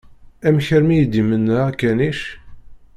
Amek armi i d-imenna akanic?